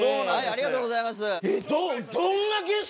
ありがとうございます。